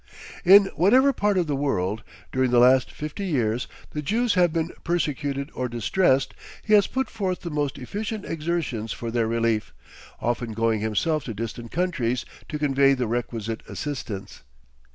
In whatever part of the world, during the last fifty years, the Jews have been persecuted or distressed, he has put forth the most efficient exertions for their relief, often going himself to distant countries to convey the requisite assistance.